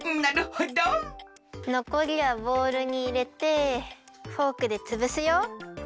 のこりはボウルにいれてフォークでつぶすよ。